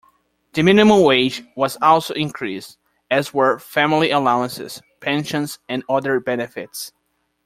The minimum wage was also increased, as were family allowances, pensions, and other benefits.